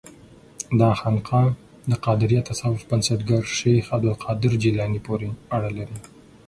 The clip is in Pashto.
دا خانقاه د قادریه تصوف بنسټګر شیخ عبدالقادر جیلاني پورې اړه لري.